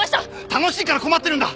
楽しいから困ってるんだ！